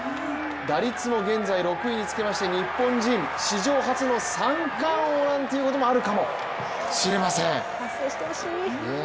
打率も現在６位につけまして日本人史上初の三冠王なんていうこともあるかもしれません。